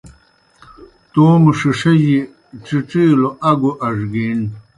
توموْ ݜِݜِجیْ ڇِڇِیلوْ اگوْ اڙگِیݨ۔